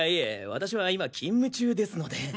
私は今勤務中ですので。